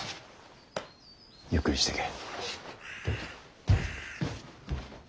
ゆっくりしてけ。